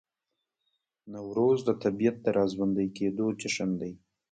نوروز د طبیعت د راژوندي کیدو جشن دی.